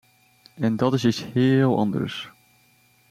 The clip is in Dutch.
En dat is iets heel anders.